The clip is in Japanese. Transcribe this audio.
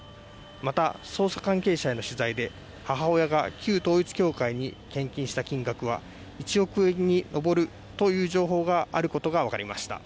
また捜査関係者への取材で母親が旧統一教会に献金した金額は１億円に上るという情報があることが分かりました